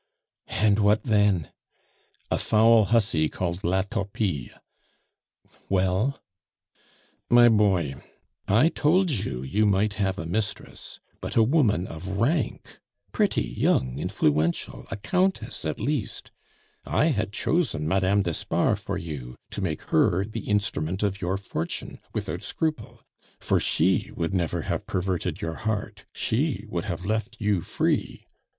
"And what then?" "A foul hussy called La Torpille " "Well?" "My boy, I told you you might have a mistress, but a woman of rank, pretty, young, influential, a Countess at least. I had chosen Madame d'Espard for you, to make her the instrument of your fortune without scruple; for she would never have perverted your heart, she would have left you free.